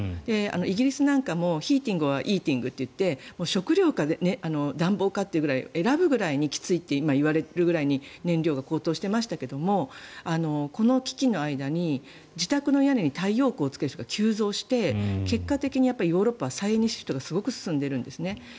イギリスなんかもヒーティング・オア・イーティングといって食料か暖房かと選ぶぐらい今、言われるくらいに燃料が高騰していましたがこの危機の間に自宅の屋根に太陽光をつける人が急増して結果的にヨーロッパは再エネシフトがすごく進んでいるんですね。